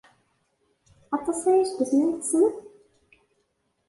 Aṭas aya seg wasmi ay t-tessned?